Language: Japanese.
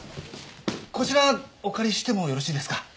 こちらお借りしてもよろしいですか？